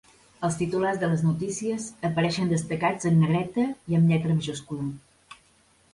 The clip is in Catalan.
Els titulars de les notícies apareixen destacats en negreta i amb lletra majúscula.